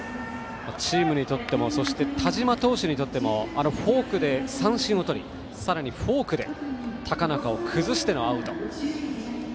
チームにとっても田嶋投手にとってもフォークで三振をとりさらにフォークで高中を崩してのアウト。